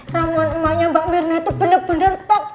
ramon emaknya mbak minah tuh bener bener top